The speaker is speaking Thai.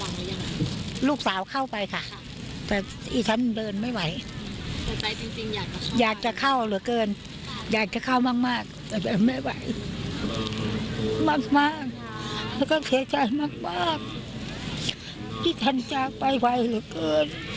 มักและก็เสียใจมากที่ทันจากไปไวเหลือเกิน